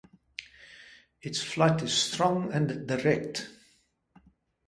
Its flight is strong and direct.